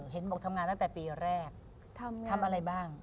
เห็นบอกทำงานตั้งแต่ปีแรกทำอะไรบ้าง